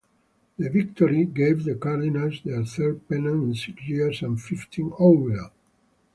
The victory gave the Cardinals their third pennant in six years and fifteenth overall.